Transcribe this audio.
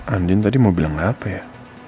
andin tadi mau bilang apa ya